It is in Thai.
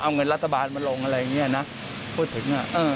เอาเงินรัฐบาลมาลงอะไรอย่างนี้นะพูดถึง